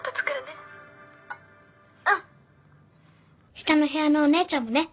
下の部屋のお姉ちゃんもね